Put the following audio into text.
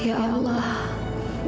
saya akan mencari